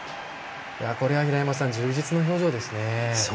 これは平山さん充実の表情ですね。